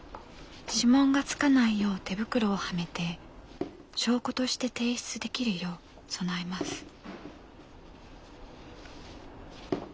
指紋がつかないよう手袋をはめて証拠として提出できるよう備えます。